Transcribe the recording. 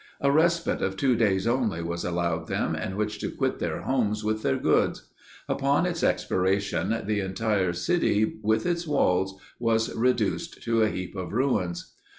A respite of two days only was allowed them, in which to quit their homes with their goods; upon its expiration, the entire city with its walls was reduced to a heap of ruins.